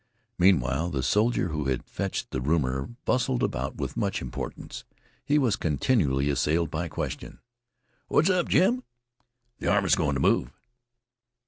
Meanwhile, the soldier who had fetched the rumor bustled about with much importance. He was continually assailed by questions. "What's up, Jim?" "Th' army's goin' t' move."